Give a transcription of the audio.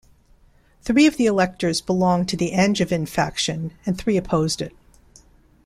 Three of the electors belonged to the Angevin faction, and three opposed it.